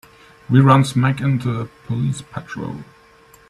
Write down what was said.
We run smack into a police patrol.